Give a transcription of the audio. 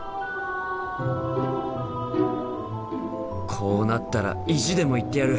こうなったら意地でも行ってやる！